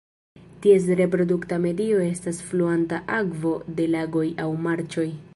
Ties reprodukta medio estas fluanta akvo de lagoj aŭ marĉoj.